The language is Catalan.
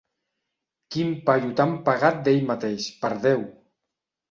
Quin paio tan pagat d'ell mateix, per Déu!